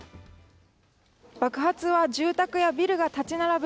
爆発は住宅やビルが立ち並ぶ